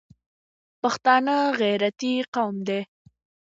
پښتانه غیرتي قوم دي